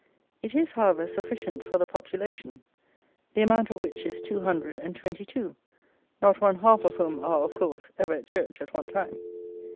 It is, however, sufficient for the population, the amount of which is two hundred and twenty two, not one half of whom are, of course, ever at church at one time.